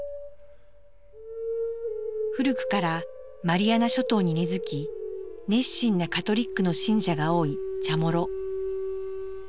古くからマリアナ諸島に根づき熱心なカトリックの信者が多いチャモロ。